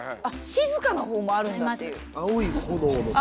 静かなほうもあるんだっていう。